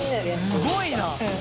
すごいな！